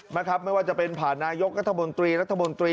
ไม่ว่าจะเป็นผ่านนายกัธมนตรีรัฐมนตรี